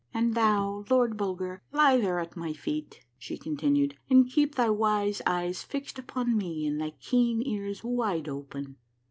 " And thou. Lord Bulger, lie there at my feet," she continued, " and keep thy wise eyes fixed upon me and thy keen ears wide open."